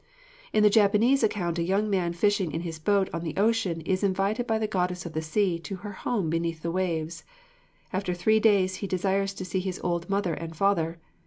In the Japanese account a young man fishing in his boat on the ocean is invited by the goddess of the sea to her home beneath the waves. After three days he desires to see his old mother and father.